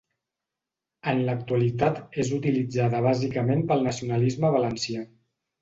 En l'actualitat és utilitzada bàsicament pel nacionalisme valencià.